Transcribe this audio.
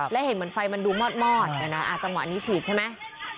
และเห็นเหมือนไฟมันดูมอดเห็นมั้ยจังหวะนี้ฉีดใช่มั้ย